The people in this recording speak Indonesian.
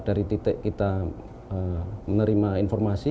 dari titik kita menerima informasi